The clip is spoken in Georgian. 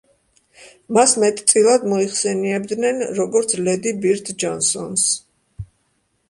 მას მეტწილად მოიხსენიებდნენ, როგორც ლედი ბირდ ჯონსონს.